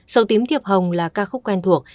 sầu tím thiệp hồng là ca khúc quen thuộc